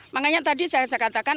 makanya tadi saya cakap tadi